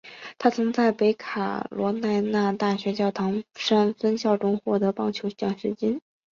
他曾在北卡罗来纳大学教堂山分校中获得棒球奖学金。